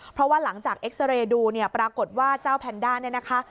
เพราะว่าหลังจากเอ็กซาเรย์ดูเนี่ยปรากฏว่าเจ้าแพนด้าเนี่ยนะคะ